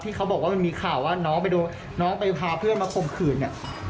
เขาบอกว่ามันมีข่าวว่าน้องไปโดนน้องไปพาเพื่อนมาข่มขืนเนี่ย